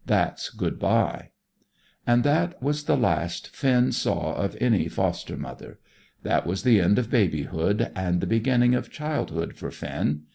That's good bye." And that was the last Finn saw of any foster mother. That was the end of babyhood, and the beginning of childhood for Finn.